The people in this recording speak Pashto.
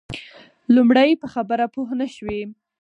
لومړی په خبره پوی نه شو.